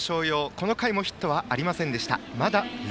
この回もヒットはありませんでした。